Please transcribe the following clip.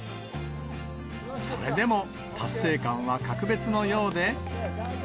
それでも達成感は格別のようで。